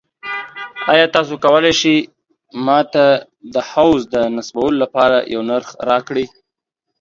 ایا تاسو کولی شئ ما ته د حوض د نصبولو لپاره یو نرخ راکړئ؟